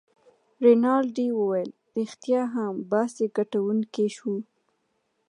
رینالډي وویل: ريښتیا هم، باسي ګټونکی شو.